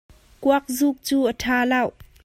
Kuak zuk cu a ṭha lo.